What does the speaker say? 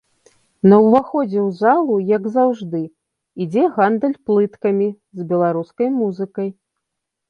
На ўваходзе ў залу, як заўжды, ідзе гандаль плыткамі з беларускай музыкай.